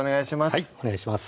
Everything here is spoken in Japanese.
はいお願いします